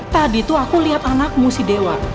tadi tuh aku lihat anakmu si dewa